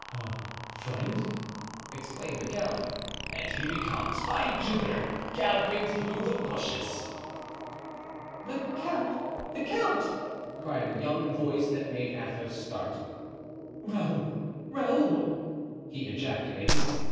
"A friend!" exclaimed the count. "And here he comes, by Jupiter! galloping through the bushes." "The count! the count!" cried a young voice that made Athos start. "Raoul! Raoul!" he ejaculated.